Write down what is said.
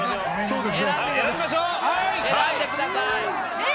選んでください。